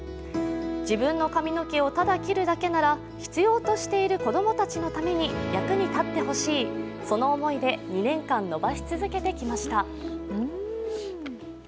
自分の髪の毛をただ切るだけなら必要としている子供たちのために役に立ってほしい、その思いで２年間伸ばし続けてきました。